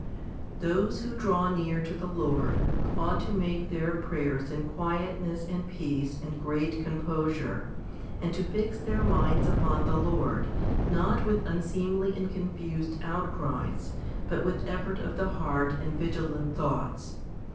i. THOSE who draw near to the Lord ought to make their prayers in quietness and peace and great composure, and to fix their minds upon the Lord not with unseemly and confused outcries, but with effort of the heart and vigilant thoughts.